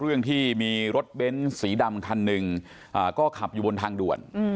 เรื่องที่มีรถเบ้นสีดำคันหนึ่งก็ขับอยู่บนทางด่วน